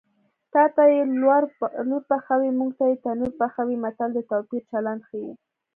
تاته یې لور پخوي موږ ته یې تنور پخوي متل د توپیر چلند ښيي